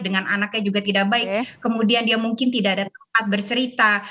dengan anaknya juga tidak baik kemudian dia mungkin tidak ada tempat bercerita